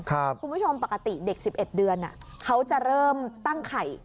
ปกติเด็ก๑๑เดือนเขาจะเริ่มตั้งไข่